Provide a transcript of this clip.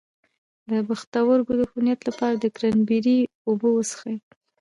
د پښتورګو د عفونت لپاره د کرینبیري اوبه وڅښئ